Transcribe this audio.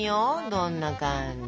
どんな感じ？